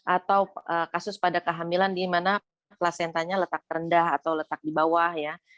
atau kasus pada kehamilan di mana placentanya letak rendah atau letak di bawah ya